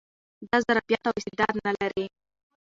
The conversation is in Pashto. دا ظرفيت او استعداد نه لري